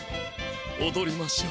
おどりましょう。